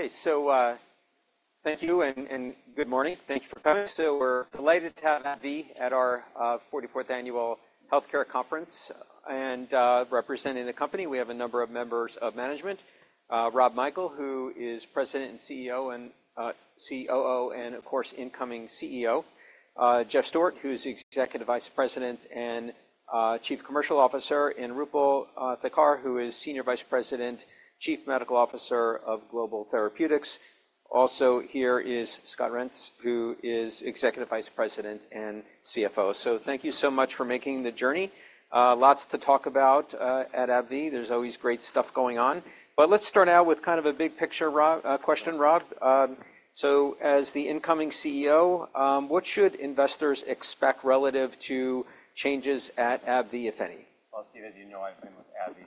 Okay, so, thank you and good morning. Thank you for coming. So we're delighted to have AbbVie at our 44th annual healthcare conference, and representing the company, we have a number of members of management: Rob Michael, who is president and CEO and COO and, of course, incoming CEO; Jeff Stewart, who's Executive Vice President and Chief Commercial Officer; and Roopal Thakkar, who is Senior Vice President, Chief Medical Officer of Global Therapeutics. Also here is Scott Reents, who is Executive Vice President and CFO. So thank you so much for making the journey. Lots to talk about at AbbVie. There's always great stuff going on. But let's start out with kind of a big picture, Rob, question, Rob. So as the incoming CEO, what should investors expect relative to changes at AbbVie, if any? Well, Steve, as you know, I've been with AbbVie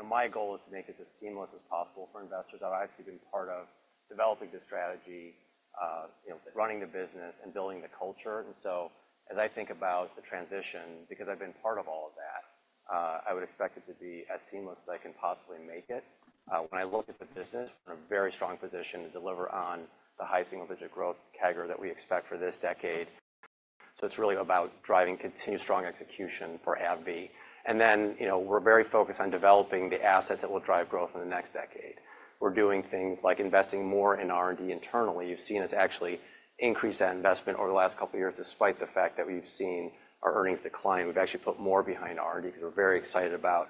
since our inception. So, you know, my goal is to make it as seamless as possible for investors. I've actually been part of developing this strategy, you know, running the business and building the culture. And so as I think about the transition, because I've been part of all of that, I would expect it to be as seamless as I can possibly make it. When I look at the business, we're in a very strong position to deliver on the high single-digit growth CAGR that we expect for this decade. So it's really about driving continued strong execution for AbbVie. And then, you know, we're very focused on developing the assets that will drive growth in the next decade. We're doing things like investing more in R&D internally. You've seen us actually increase that investment over the last couple of years despite the fact that we've seen our earnings decline. We've actually put more behind R&D because we're very excited about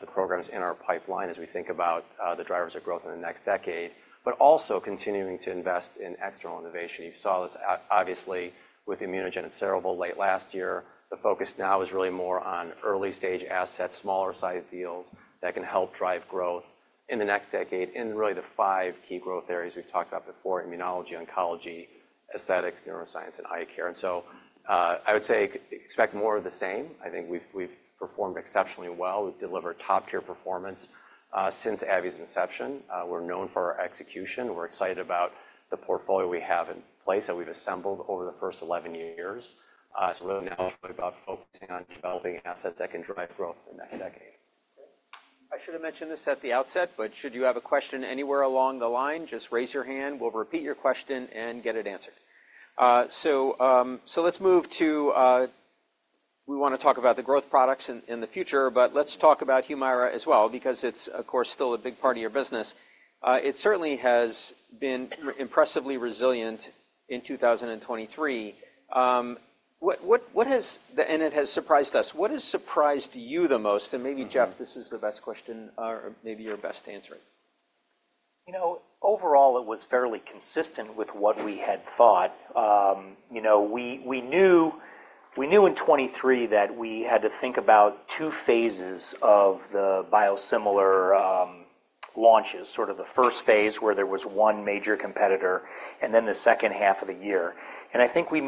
the programs in our pipeline as we think about the drivers of growth in the next decade, but also continuing to invest in external innovation. You saw this, obviously, with ImmunoGen and Cerevel late last year. The focus now is really more on early-stage assets, smaller-sized deals that can help drive growth in the next decade, in really the five key growth areas we've talked about before: immunology, oncology, aesthetics, neuroscience, and eye care. And so, I would say expect more of the same. I think we've, we've performed exceptionally well. We've delivered top-tier performance since AbbVie's inception. We're known for our execution. We're excited about the portfolio we have in place that we've assembled over the first 11 years. So really now it's really about focusing on developing assets that can drive growth in the next decade. Okay. I should have mentioned this at the outset, but should you have a question anywhere along the line, just raise your hand. We'll repeat your question and get it answered. So, let's move to, we wanna talk about the growth products in the future, but let's talk about Humira as well because it's, of course, still a big part of your business. It certainly has been impressively resilient in 2023. What has the and it has surprised us. What has surprised you the most? And maybe, Jeff, this is the best question, or maybe your best answer. You know, overall, it was fairly consistent with what we had thought. You know, we knew in 2023 that we had to think about two phases of the biosimilar launches, sort of the first phase where there was one major competitor, and then the second half of the year. I think we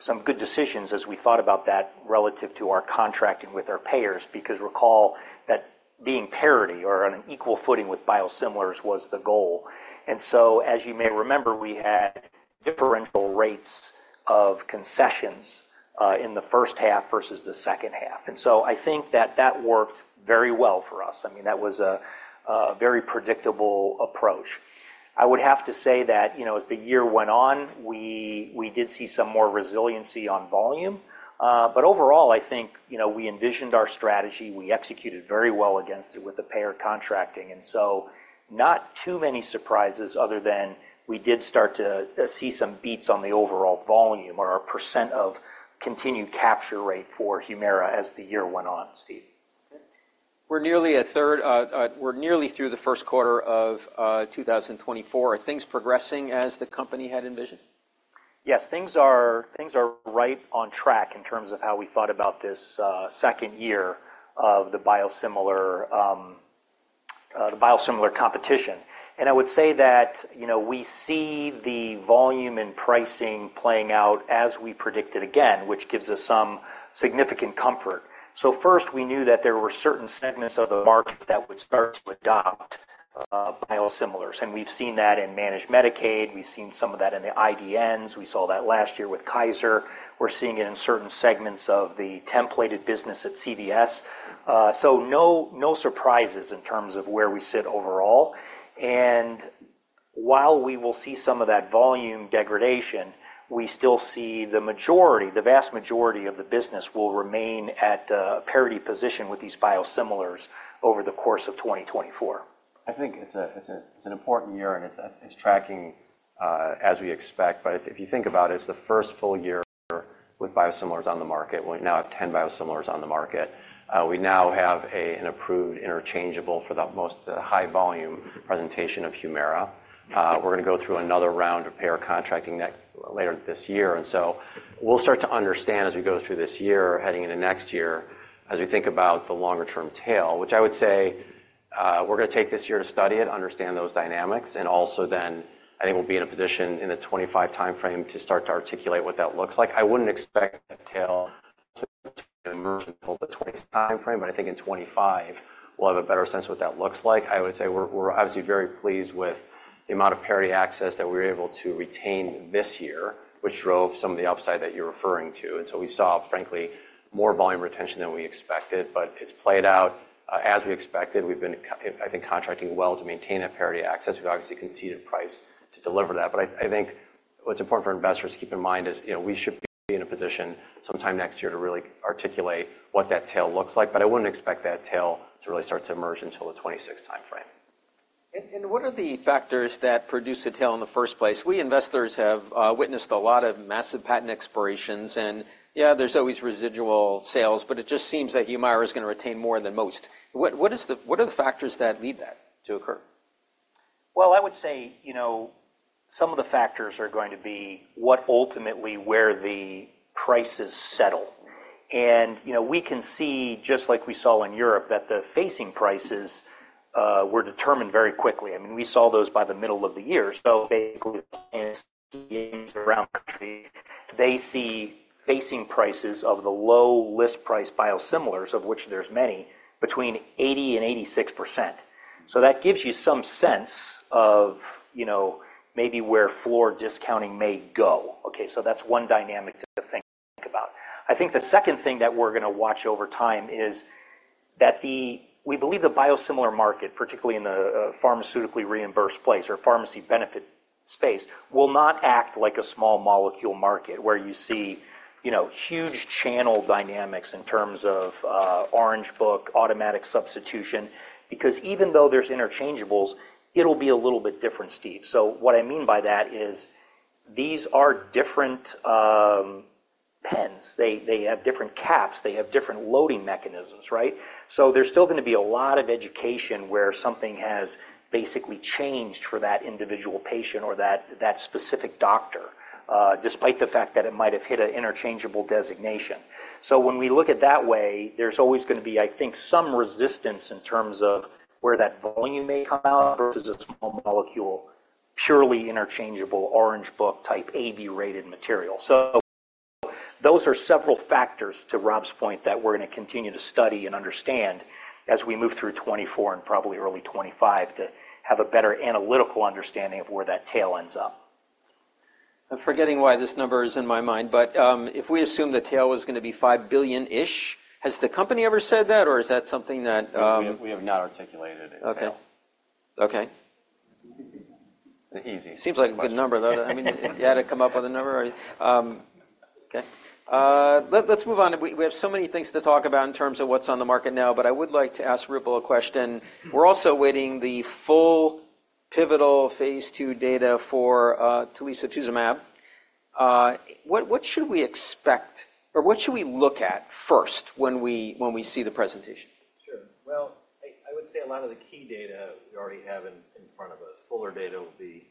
made some good decisions as we thought about that relative to our contracting with our payers because recall that being parity or on an equal footing with biosimilars was the goal. So, as you may remember, we had differential rates of concessions in the first half versus the second half. So I think that worked very well for us. I mean, that was a very predictable approach. I would have to say that, you know, as the year went on, we did see some more resiliency on volume. But overall, I think, you know, we envisioned our strategy. We executed very well against it with the payer contracting. And so not too many surprises other than we did start to see some beats on the overall volume or our percent of continued capture rate for Humira as the year went on, Steve. Okay. We're nearly a third, we're nearly through the first quarter of 2024. Are things progressing as the company had envisioned? Yes. Things are right on track in terms of how we thought about this, second year of the biosimilar, the biosimilar competition. I would say that, you know, we see the volume and pricing playing out as we predicted again, which gives us some significant comfort. So first, we knew that there were certain segments of the market that would start to adopt biosimilars. We've seen that in managed Medicaid. We've seen some of that in the IDNs. We saw that last year with Kaiser. We're seeing it in certain segments of the templated business at CVS. So no, no surprises in terms of where we sit overall. While we will see some of that volume degradation, we still see the majority, the vast majority of the business will remain at a parity position with these biosimilars over the course of 2024. I think it's an important year, and it's tracking as we expect. But if you think about it, it's the first full year with biosimilars on the market. We now have 10 biosimilars on the market. We now have an approved interchangeable for the most high-volume presentation of Humira. We're gonna go through another round of payer contracting next later this year. And so we'll start to understand as we go through this year, heading into next year, as we think about the longer-term tail, which I would say, we're gonna take this year to study it, understand those dynamics, and also then I think we'll be in a position in the 2025 timeframe to start to articulate what that looks like. I wouldn't expect that tail to emerge until the 2020 timeframe, but I think in 2025, we'll have a better sense of what that looks like. I would say we're obviously very pleased with the amount of parity access that we were able to retain this year, which drove some of the upside that you're referring to. And so we saw, frankly, more volume retention than we expected, but it's played out, as we expected. We've been, I think, contracting well to maintain that parity access. We've obviously conceded price to deliver that. But I think what's important for investors to keep in mind is, you know, we should be in a position sometime next year to really articulate what that tail looks like. But I wouldn't expect that tail to really start to emerge until the 2026 timeframe. And what are the factors that produce a tail in the first place? We investors have witnessed a lot of massive patent expirations, and yeah, there's always residual sales, but it just seems that Humira is gonna retain more than most. What are the factors that lead that to occur? Well, I would say, you know, some of the factors are going to be what ultimately where the prices settle. And, you know, we can see, just like we saw in Europe, that the net prices were determined very quickly. I mean, we saw those by the middle of the year. So basically, the payers in the eastern and western countries, they see net prices of the low list price biosimilars, of which there's many, between 80% and 86%. So that gives you some sense of, you know, maybe where floor discounting may go. Okay. So that's one dynamic to think about. I think the second thing that we're gonna watch over time is that we believe the biosimilar market, particularly in the pharmaceutically reimbursed place or pharmacy benefit space, will not act like a small molecule market where you see, you know, huge channel dynamics in terms of Orange Book automatic substitution because even though there's interchangeables, it'll be a little bit different, Steve. So what I mean by that is these are different pens. They have different caps. They have different loading mechanisms, right? So there's still gonna be a lot of education where something has basically changed for that individual patient or that specific doctor, despite the fact that it might have hit an interchangeable designation. So when we look at that way, there's always gonna be, I think, some resistance in terms of where that volume may come out versus a small molecule, purely interchangeable orange book type AB-rated material. So those are several factors, to Rob's point, that we're gonna continue to study and understand as we move through 2024 and probably early 2025 to have a better analytical understanding of where that tail ends up. I'm forgetting why this number is in my mind, but, if we assume the tail was gonna be $5 billion-ish, has the company ever said that, or is that something that, We have not articulated it yet. Okay. Okay. Easy. Seems like a good number, though. I mean, you had to come up with a number, or? Okay. Let's move on. We have so many things to talk about in terms of what's on the market now, but I would like to ask Roopal a question. We're also waiting the full pivotal phase II data for Telisotuzumab. What should we expect or what should we look at first when we see the presentation? Sure. Well, I would say a lot of the key data we already have in front of us. Fuller data will be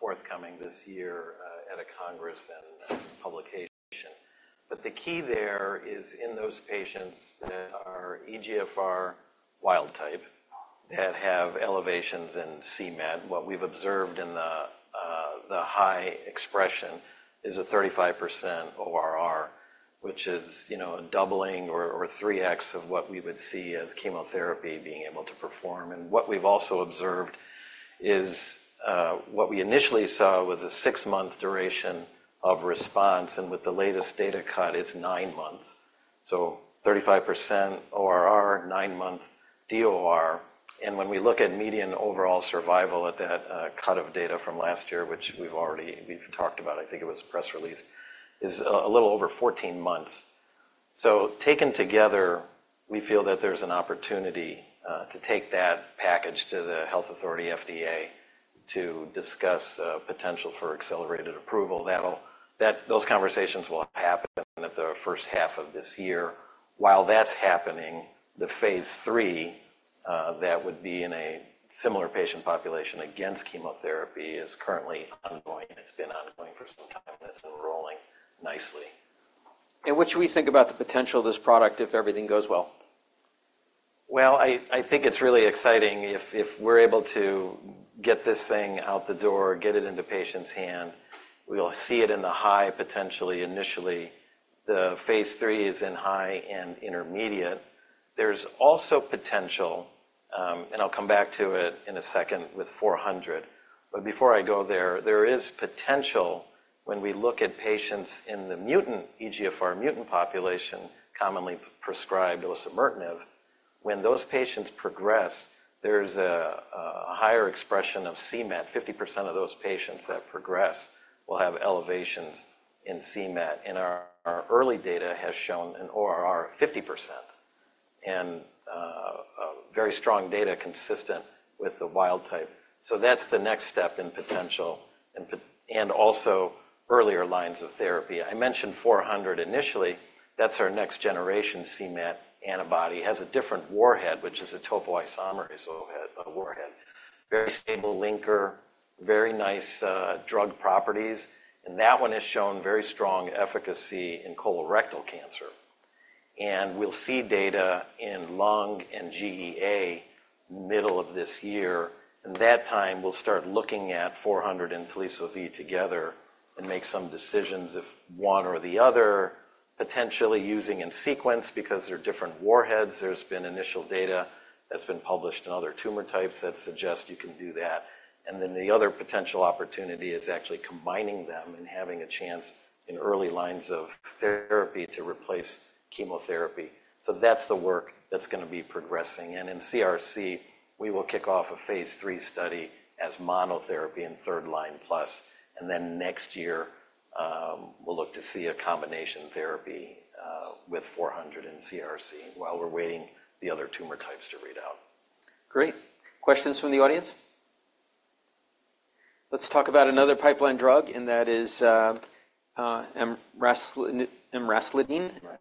forthcoming this year at a congress and publication. But the key there is in those patients that are eGFR wild type that have elevations in c-Met. What we've observed in the high expression is a 35% ORR, which is, you know, a doubling or 3x of what we would see as chemotherapy being able to perform. And what we've also observed is what we initially saw was a six-month duration of response. And with the latest data cut, it's nine months. So 35% ORR, nine-month DOR. And when we look at median overall survival at that cut of data from last year, which we've already talked about. I think it was press released is a little over 14 months. So taken together, we feel that there's an opportunity to take that package to the health authority, FDA, to discuss potential for accelerated approval. That'll those conversations will happen at the first half of this year. While that's happening, the phase III, that would be in a similar patient population against chemotherapy, is currently ongoing. It's been ongoing for some time, and it's enrolling nicely. What should we think about the potential of this product if everything goes well? Well, I think it's really exciting. If we're able to get this thing out the door, get it into patients' hands, we'll see it in the high potentially initially. The phase three is in high and intermediate. There's also potential, and I'll come back to it in a second with 400. But before I go there, there is potential when we look at patients in the mutant EGFR mutant population, commonly prescribed osimertinib. When those patients progress, there's a higher expression of c-Met. 50% of those patients that progress will have elevations in c-Met. And our early data has shown an ORR of 50% and very strong data consistent with the wild type. So that's the next step in potential and pot and also earlier lines of therapy. I mentioned 400 initially. That's our next-generation c-Met antibody. It has a different warhead, which is a topoisomerase warhead, very stable linker, very nice drug properties. And that one has shown very strong efficacy in colorectal cancer. And we'll see data in lung and GEA middle of this year. At that time, we'll start looking at 400 and Teliso-V together and make some decisions if one or the other, potentially using in sequence because they're different warheads. There's been initial data that's been published in other tumor types that suggest you can do that. And then the other potential opportunity is actually combining them and having a chance in early lines of therapy to replace chemotherapy. So that's the work that's gonna be progressing. And in CRC, we will kick off a phase III study as monotherapy and third line plus. And then next year, we'll look to see a combination therapy with 400 in CRC while we're waiting the other tumor types to read out. Great. Questions from the audience? Let's talk about another pipeline drug, and that is, emraclidine.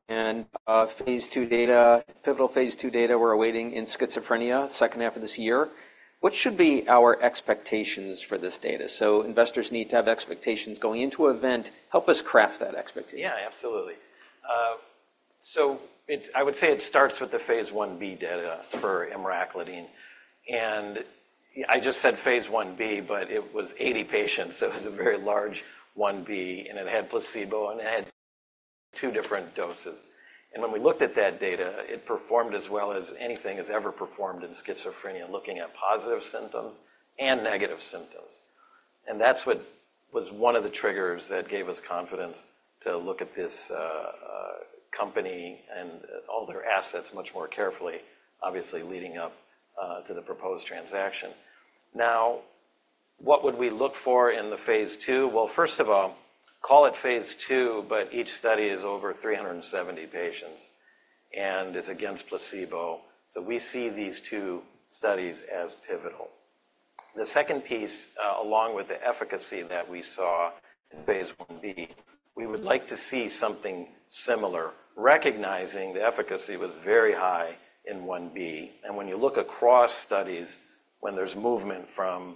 Right. Phase II data, pivotal phase II data we're awaiting in schizophrenia second half of this year. What should be our expectations for this data? So investors need to have expectations going into an event. Help us craft that expectation. Yeah. Absolutely. So it's, I would say, it starts with the phase I-B data for emraclidine. And I just said phase I-B, but it was 80 patients. So it was a very large 1b, and it had placebo, and it had two different doses. And when we looked at that data, it performed as well as anything has ever performed in schizophrenia, looking at positive symptoms and negative symptoms. And that's what was one of the triggers that gave us confidence to look at this company and all their assets much more carefully, obviously leading up to the proposed transaction. Now, what would we look for in the phase II? Well, first of all, call it phase II, but each study is over 370 patients and is against placebo. So we see these two studies as pivotal. The second piece, along with the efficacy that we saw in phase I-B, we would like to see something similar, recognizing the efficacy was very high in I-B. When you look across studies, when there's movement from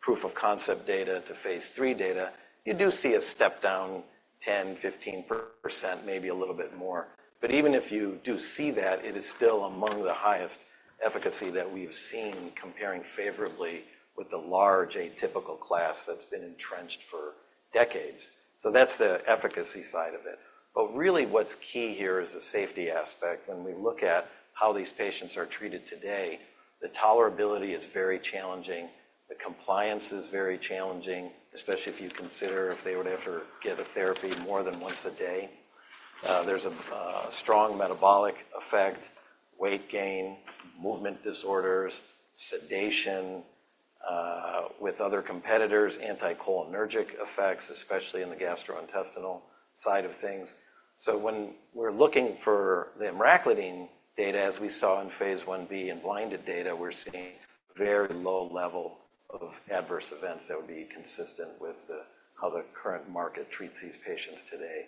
proof of concept data to phase III data, you do see a step down 10%, 15%, maybe a little bit more. Even if you do see that, it is still among the highest efficacy that we've seen comparing favorably with the large atypical class that's been entrenched for decades. That's the efficacy side of it. Really, what's key here is the safety aspect. When we look at how these patients are treated today, the tolerability is very challenging. The compliance is very challenging, especially if you consider if they would ever get a therapy more than once a day. There's a strong metabolic effect, weight gain, movement disorders, sedation with other competitors, anticholinergic effects, especially in the gastrointestinal side of things. So when we're looking for the emraclidine data, as we saw in phase I-B and blinded data, we're seeing very low level of adverse events that would be consistent with how the current market treats these patients today.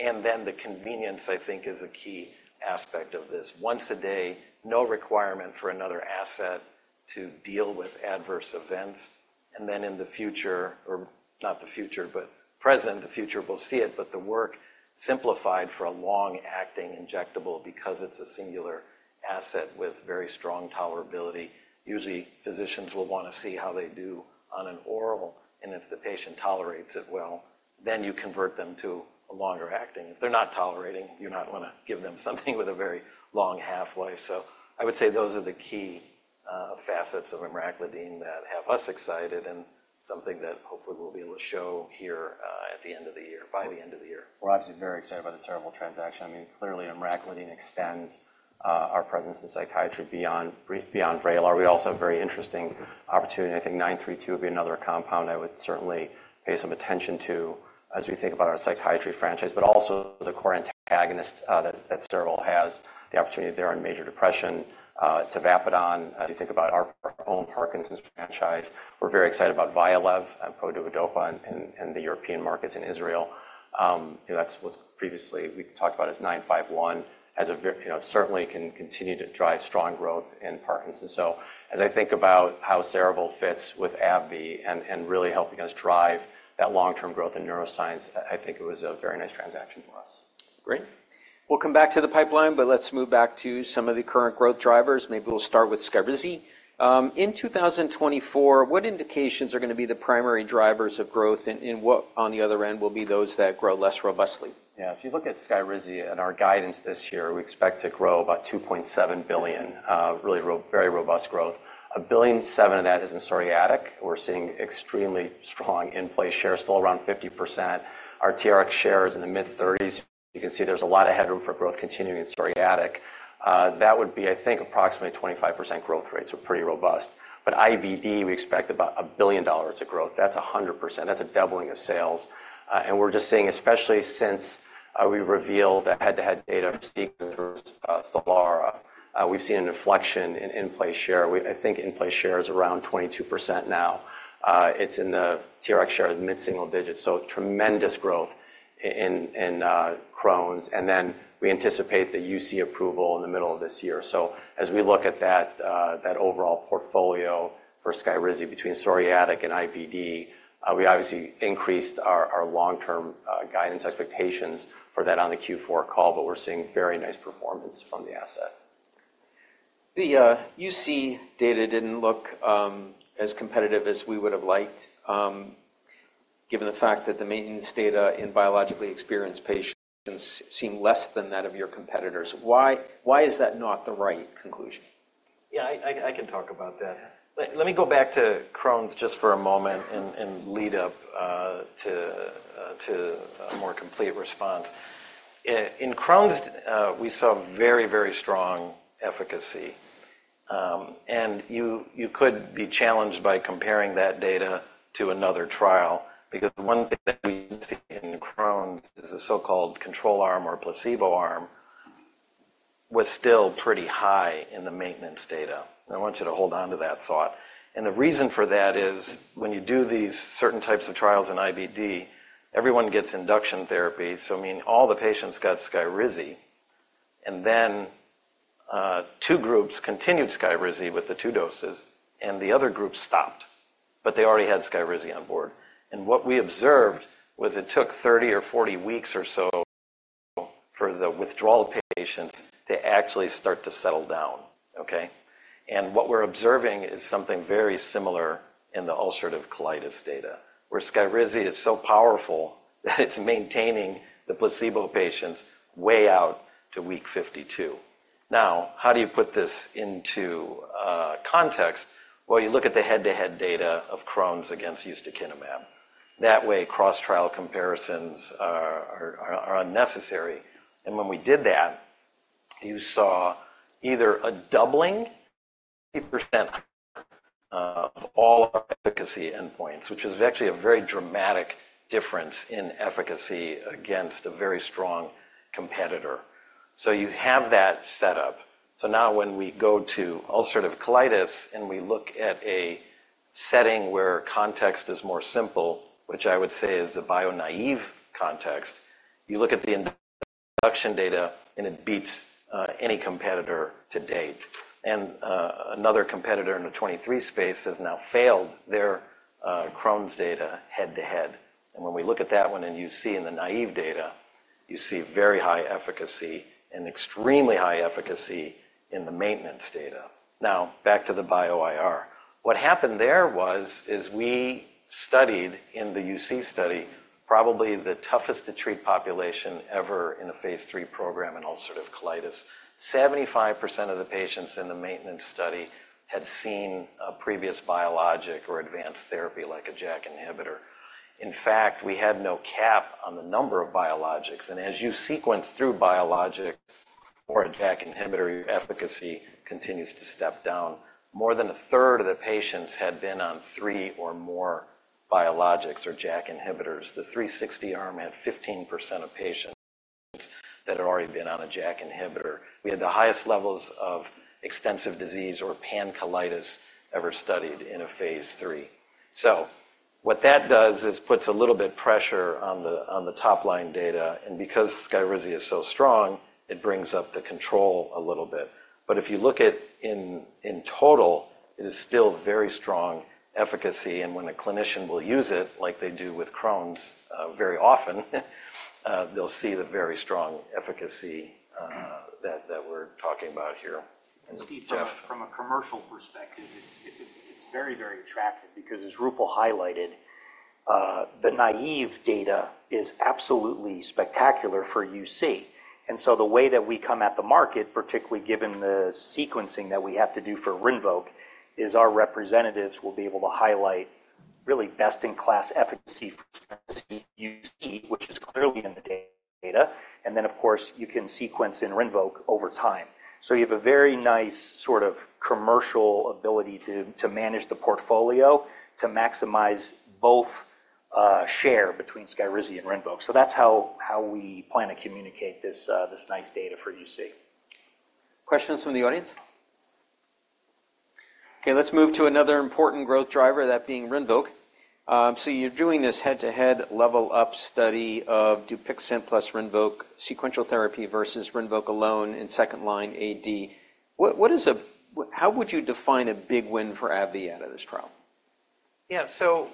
And then the convenience, I think, is a key aspect of this. Once a day, no requirement for another asset to deal with adverse events. And then in the future or not the future, but present. The future will see it, but the work simplified for a long-acting injectable because it's a singular asset with very strong tolerability. Usually, physicians will wanna see how they do on an oral. And if the patient tolerates it well, then you convert them to a longer-acting. If they're not tolerating, you're not gonna give them something with a very long half-life. So I would say those are the key facets of emraclidine that have us excited and something that hopefully we'll be able to show here at the end of the year, by the end of the year. We're obviously very excited about the Cerevel transaction. I mean, clearly, emraclidine extends our presence in psychiatry beyond Vraylar. We also have a very interesting opportunity. I think 932 would be another compound I would certainly pay some attention to as we think about our psychiatry franchise, but also the core antagonist that Cerevel has, the opportunity there on major depression, tavapadon. As you think about our own Parkinson's franchise, we're very excited about Vyalev and Produodopa in the European markets in Israel. You know, that's what we previously talked about as 951 has a, you know, certainly can continue to drive strong growth in Parkinson's. So as I think about how Cerevel fits with AbbVie and really helping us drive that long-term growth in neuroscience, I think it was a very nice transaction for us. Great. We'll come back to the pipeline, but let's move back to some of the current growth drivers. Maybe we'll start with Skyrizi. In 2024, what indications are gonna be the primary drivers of growth, and, and what, on the other end, will be those that grow less robustly? Yeah. If you look at Skyrizi and our guidance this year, we expect to grow about $2.7 billion, really very robust growth. A billion seven of that is in psoriatic. We're seeing extremely strong NRx share, still around 50%. Our TRx share is in the mid-30s. You can see there's a lot of headroom for growth continuing in psoriatic. That would be, I think, approximately 25% growth rates, so pretty robust. But IBD, we expect about $1 billion of growth. That's 100%. That's a doubling of sales. We're just seeing, especially since we revealed the head-to-head data of SEQUENCE versus Stelara, we've seen an inflection in NRx share. I think NRx share is around 22% now. It's in the TRx share mid-single digit. So tremendous growth in Crohn's. And then we anticipate the UC approval in the middle of this year. As we look at that, that overall portfolio for Skyrizi between psoriatic and IBD, we obviously increased our, our long-term, guidance expectations for that on the Q4 call, but we're seeing very nice performance from the asset. The UC data didn't look as competitive as we would have liked, given the fact that the maintenance data in biologically experienced patients seem less than that of your competitors. Why is that not the right conclusion? Yeah. I can talk about that. Let me go back to Crohn's just for a moment and lead up to a more complete response. In Crohn's, we saw very, very strong efficacy. You could be challenged by comparing that data to another trial because one thing that we see in Crohn's is the so-called control arm or placebo arm was still pretty high in the maintenance data. I want you to hold onto that thought. The reason for that is when you do these certain types of trials in IBD, everyone gets induction therapy. So, I mean, all the patients got Skyrizi, and then two groups continued Skyrizi with the two doses, and the other group stopped, but they already had Skyrizi on board. And what we observed was it took 30 or 40 weeks or so for the withdrawal patients to actually start to settle down, okay? And what we're observing is something very similar in the ulcerative colitis data, where Skyrizi is so powerful that it's maintaining the placebo patients way out to week 52. Now, how do you put this into context? Well, you look at the head-to-head data of Crohn's against ustekinumab. That way, cross-trial comparisons are unnecessary. And when we did that, you saw either a doubling of 50% of all our efficacy endpoints, which is actually a very dramatic difference in efficacy against a very strong competitor. So you have that setup. So now when we go to ulcerative colitis and we look at a setting where context is more simple, which I would say is the bio-naïve context, you look at the induction data, and it beats any competitor to date. And another competitor in the 23 space has now failed their Crohn's data head-to-head. And when we look at that one in UC and the naïve data, you see very high efficacy and extremely high efficacy in the maintenance data. Now, back to the Bio-IR. What happened there was we studied in the UC study probably the toughest-to-treat population ever in a phase III program in ulcerative colitis. 75% of the patients in the maintenance study had seen a previous biologic or advanced therapy like a JAK inhibitor. In fact, we had no cap on the number of biologics. As you sequence through biologics or a JAK inhibitor, your efficacy continues to step down. More than a third of the patients had been on three or more biologics or JAK inhibitors. The 360 arm had 15% of patients that had already been on a JAK inhibitor. We had the highest levels of extensive disease or pancolitis ever studied in a phase three. What that does is puts a little bit of pressure on the top-line data. Because Skyrizi is so strong, it brings up the control a little bit. If you look at in total, it is still very strong efficacy. When a clinician will use it, like they do with Crohn's, very often, they'll see the very strong efficacy that we're talking about here. Jeff. Steve talked from a commercial perspective. It's very, very attractive because, as Roopal highlighted, the naïve data is absolutely spectacular for UC. So the way that we come at the market, particularly given the sequencing that we have to do for Rinvoq, is our representatives will be able to highlight really best-in-class efficacy for UC, which is clearly in the data. And then, of course, you can sequence in Rinvoq over time. So you have a very nice sort of commercial ability to manage the portfolio, to maximize both share between Skyrizi and Rinvoq. So that's how we plan to communicate this nice data for UC. Questions from the audience? Okay. Let's move to another important growth driver, that being Rinvoq. So you're doing this head-to-head LEVEL UP study of Dupixent plus Rinvoq, sequential therapy versus Rinvoq alone in second-line AD. What is a win? How would you define a big win for AbbVie out of this trial? Yeah. So,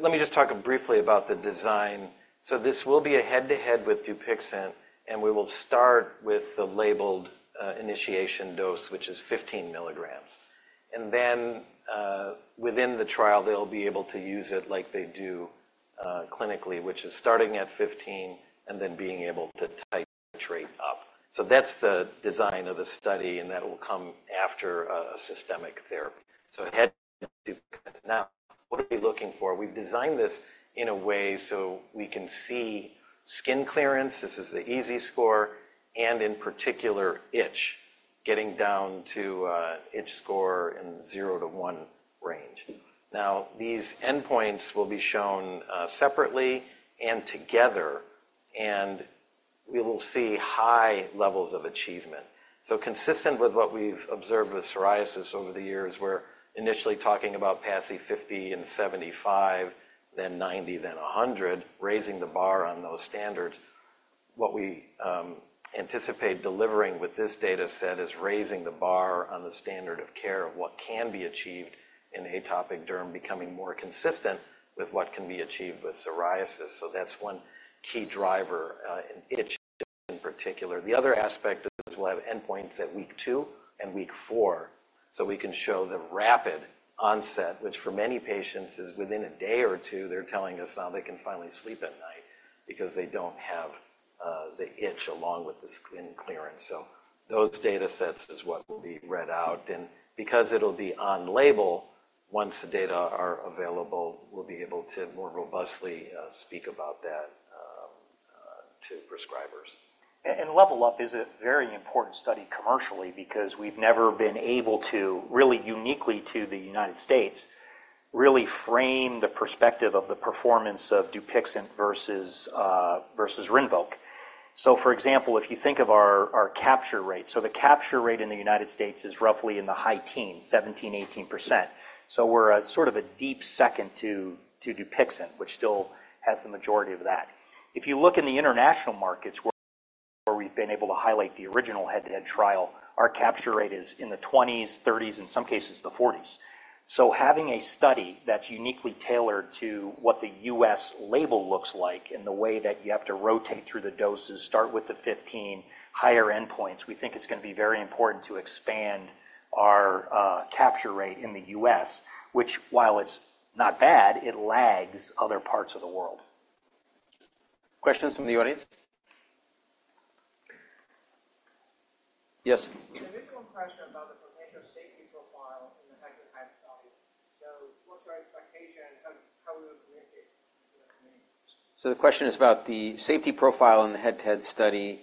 let me just talk briefly about the design. So this will be a head-to-head with Dupixent, and we will start with the labeled, initiation dose, which is 15 milligrams. And then, within the trial, they'll be able to use it like they do, clinically, which is starting at 15 and then being able to titrate up. So that's the design of the study, and that will come after a systemic therapy. So head-to-head with Dupixent. Now, what are we looking for? We've designed this in a way so we can see skin clearance - this is the EASI score - and in particular, itch, getting down to, itch score in 0-1 range. Now, these endpoints will be shown, separately and together, and we will see high levels of achievement. So consistent with what we've observed with psoriasis over the years, we're initially talking about passing 50 and 75, then 90, then 100, raising the bar on those standards. What we, anticipate delivering with this data set is raising the bar on the standard of care of what can be achieved in atopic derm, becoming more consistent with what can be achieved with psoriasis. So that's one key driver, in itch in particular. The other aspect is we'll have endpoints at week two and week four so we can show the rapid onset, which for many patients is within a day or two, they're telling us now they can finally sleep at night because they don't have, the itch along with the skin clearance. So those data sets is what will be read out. Because it'll be on label, once the data are available, we'll be able to more robustly speak about that to prescribers. And Level Up is a very important study commercially because we've never been able to, really uniquely to the United States, really frame the perspective of the performance of Dupixent versus Rinvoq. So, for example, if you think of our capture rate, so the capture rate in the United States is roughly in the high teens, 17%-18%. So we're a sort of a deep second to Dupixent, which still has the majority of that. If you look in the international markets where we've been able to highlight the original head-to-head trial, our capture rate is in the 20s, 30s, in some cases, the 40s. Having a study that's uniquely tailored to what the U.S. label looks like and the way that you have to rotate through the doses, start with the 15, higher endpoints, we think it's gonna be very important to expand our capture rate in the U.S., which, while it's not bad, it lags other parts of the world. Questions from the audience? Yes? We have one question about the potential safety profile in the head-to-head study. What's our expectation? How will we communicate to the community? So the question is about the safety profile in the head-to-head study.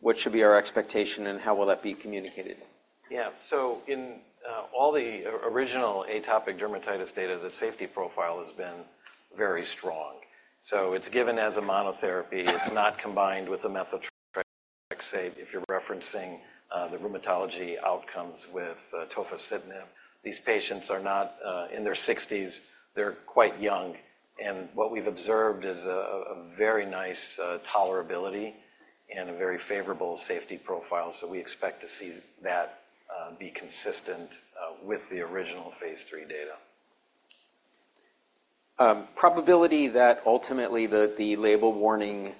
What should be our expectation, and how will that be communicated? Yeah. So in all the original atopic dermatitis data, the safety profile has been very strong. So it's given as a monotherapy. It's not combined with a methotrexate, say, if you're referencing the rheumatology outcomes with tofacitinib. These patients are not in their 60s. They're quite young. And what we've observed is a very nice tolerability and a very favorable safety profile. So we expect to see that be consistent with the original phase III data. probability that ultimately the label warning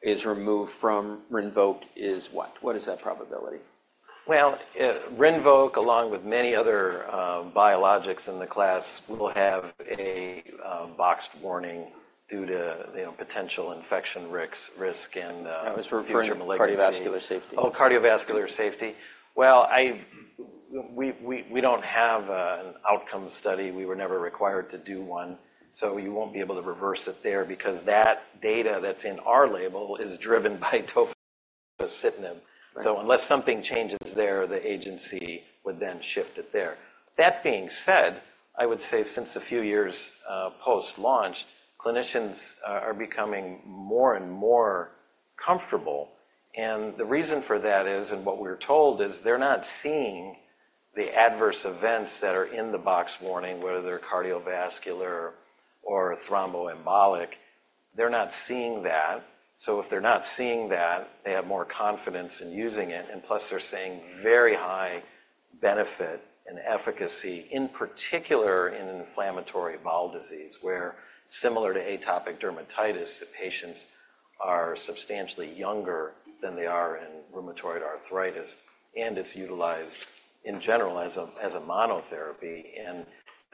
is removed from Rinvoq is what? What is that probability? Well, Rinvoq, along with many other biologics in the class, will have a boxed warning due to, you know, potential infection risks and future malignancies. That was referring to cardiovascular safety. Oh, cardiovascular safety. Well, I don't have an outcome study. We were never required to do one. So you won't be able to reverse it there because that data that's in our label is driven by tofacitinib. So unless something changes there, the agency would then shift it there. That being said, I would say since a few years, post-launch, clinicians are becoming more and more comfortable. And the reason for that is, and what we're told, is they're not seeing the adverse events that are in the box warning, whether they're cardiovascular or thromboembolic. They're not seeing that. So if they're not seeing that, they have more confidence in using it. And plus, they're seeing very high benefit and efficacy, in particular in inflammatory bowel disease, where, similar to atopic dermatitis, the patients are substantially younger than they are in rheumatoid arthritis. It's utilized in general as a monotherapy.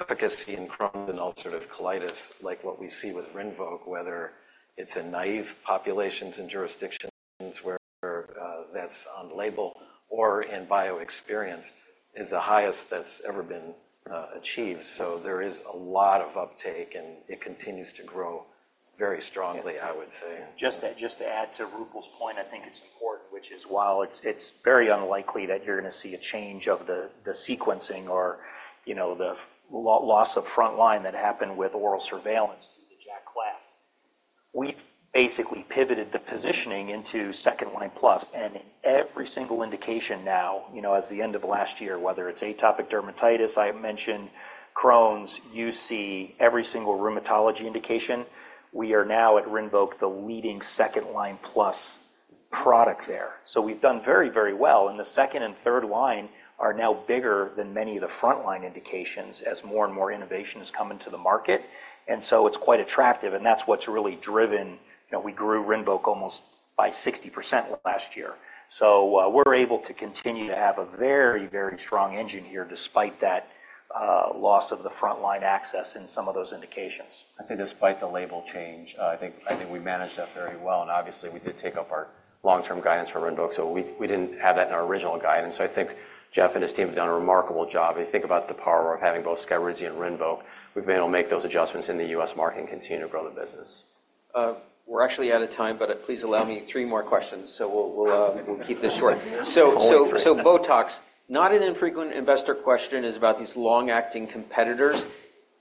Efficacy in Crohn's and ulcerative colitis, like what we see with Rinvoq, whether it's in naïve populations and jurisdictions where that's on label or in biologic-experienced, is the highest that's ever been achieved. There is a lot of uptake, and it continues to grow very strongly, I would say. And just to add to Roopal's point, I think it's important, which is while it's very unlikely that you're gonna see a change of the sequencing or, you know, the loss of front line that happened with ORAL Surveillance in the JAK class, we've basically pivoted the positioning into second-line plus. And in every single indication now, you know, as the end of last year, whether it's atopic dermatitis, I mentioned Crohn's, UC, every single rheumatology indication, we are now at Rinvoq, the leading second-line plus product there. So we've done very, very well. And the second and third line are now bigger than many of the front-line indications as more and more innovation is coming to the market. And so it's quite attractive. And that's what's really driven, you know, we grew Rinvoq almost by 60% last year. We're able to continue to have a very, very strong engine here despite that loss of the front-line access in some of those indications. I'd say despite the label change, I think I think we managed that very well. Obviously, we did take up our long-term guidance for Rinvoq. We, we didn't have that in our original guidance. I think Jeff and his team have done a remarkable job. If you think about the power of having both Skyrizi and Rinvoq, we've been able to make those adjustments in the U.S. market and continue to grow the business. We're actually out of time, but please allow me three more questions. So we'll keep this short. So, Botox, not an infrequent investor question, is about these long-acting competitors.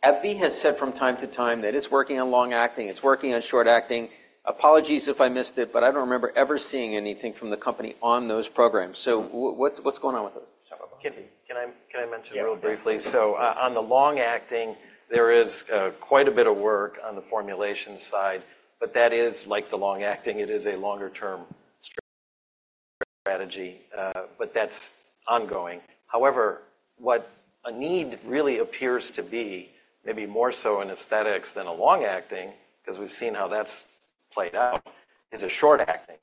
AbbVie has said from time to time that it's working on long-acting. It's working on short-acting. Apologies if I missed it, but I don't remember ever seeing anything from the company on those programs. So what's going on with those? Kimmy, can I mention real briefly? Yeah. So, on the long-acting, there is quite a bit of work on the formulation side. But that is like the long-acting. It is a longer-term strategy, but that's ongoing. However, what a need really appears to be, maybe more so in aesthetics than a long-acting - 'cause we've seen how that's played out - is a short-acting.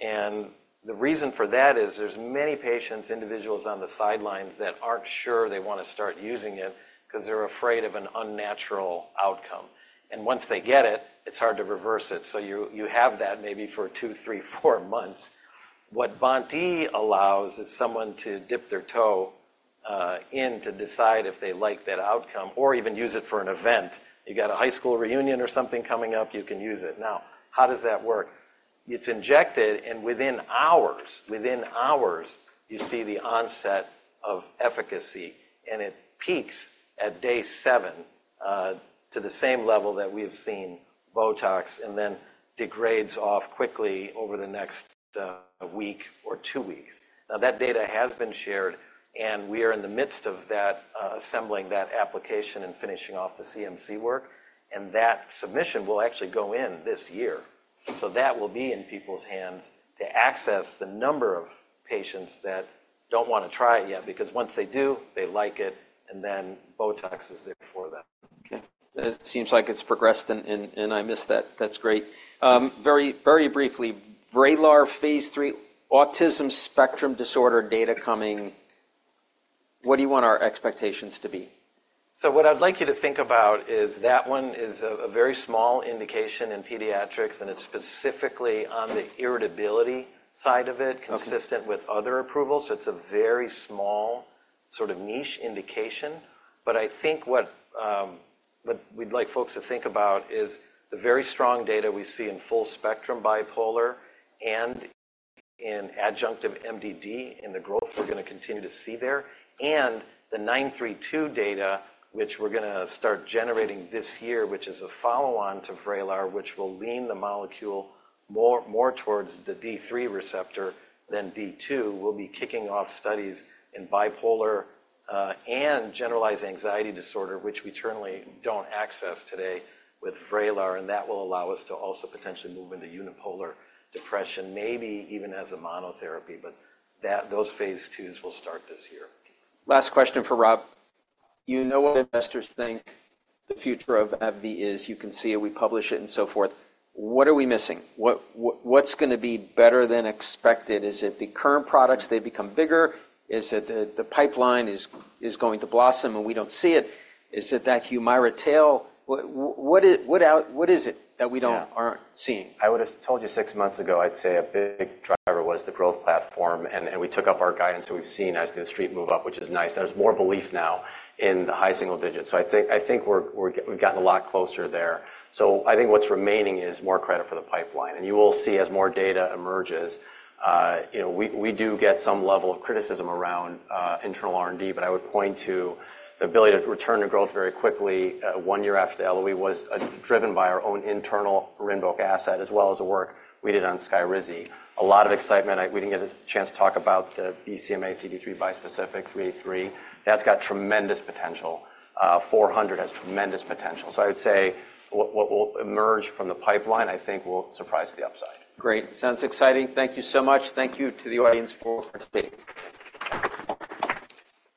And the reason for that is there's many patients, individuals on the sidelines that aren't sure they wanna start using it 'cause they're afraid of an unnatural outcome. And once they get it, it's hard to reverse it. So you have that maybe for two, three, four months. What BoNT/E allows is someone to dip their toe in to decide if they like that outcome or even use it for an event. You got a high school reunion or something coming up, you can use it. Now, how does that work? It's injected, and within hours, within hours, you see the onset of efficacy. It peaks at day seven to the same level that we've seen Botox and then degrades off quickly over the next week or 2 weeks. Now, that data has been shared, and we are in the midst of that, assembling that application and finishing off the CMC work. That submission will actually go in this year. That will be in people's hands to access the number of patients that don't wanna try it yet because once they do, they like it, and then Botox is there for them. Okay. That seems like it's progressed. I missed that. That's great. Very, very briefly, Vraylar phase III autism spectrum disorder data coming. What do you want our expectations to be? So what I'd like you to think about is that one is a, a very small indication in pediatrics, and it's specifically on the irritability side of it, consistent with other approvals. So it's a very small sort of niche indication. But I think what, what we'd like folks to think about is the very strong data we see in full-spectrum bipolar and in adjunctive MDD in the growth we're gonna continue to see there, and the 932 data, which we're gonna start generating this year, which is a follow-on to Vraylar, which will lean the molecule more, more towards the D3 receptor than D2. We'll be kicking off studies in bipolar, and generalized anxiety disorder, which we currently don't access today with Vraylar. And that will allow us to also potentially move into unipolar depression, maybe even as a monotherapy. But that those phase IIs will start this year. Last question for Rob. You know what investors think the future of AbbVie is. You can see it. We publish it and so forth. What are we missing? What, what, what's gonna be better than expected? Is it the current products? They've become bigger. Is it the pipeline? It's going to blossom, and we don't see it? Is it that Humira tail? What is it that we aren't seeing? Yeah. I would have told you six months ago, I'd say a big driver was the growth platform. And we took up our guidance that we've seen as the street move up, which is nice. There's more belief now in the high single digits. So I think we're, we've gotten a lot closer there. So I think what's remaining is more credit for the pipeline. And you will see as more data emerges, you know, we do get some level of criticism around internal R&D. But I would point to the ability to return to growth very quickly, one year after the LOE was driven by our own internal Rinvoq asset as well as the work we did on Skyrizi. A lot of excitement. We didn't get a chance to talk about the BCMAxCD3 bispecific 383. That's got tremendous potential. 400 has tremendous potential. So I would say what, what will emerge from the pipeline, I think, will surprise to the upside. Great. Sounds exciting. Thank you so much. Thank you to the audience for participating.